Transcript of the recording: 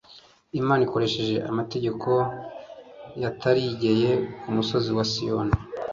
Imana ikoresheje amategeko yatarigiye ku musozi wa Sinayi,